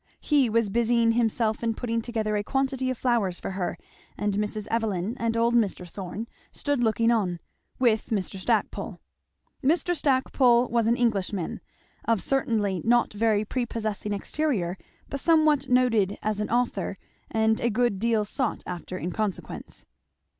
He was busying himself in putting together a quantity of flowers for her; and Mrs. Evelyn and old Mr. Thorn stood looking on; with Mr. Stackpole. Mr. Stackpole was an Englishman, of certainly not very prepossessing exterior but somewhat noted as an author and a good deal sought after in consequence.